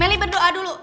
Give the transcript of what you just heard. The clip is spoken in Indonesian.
meli berdoa dulu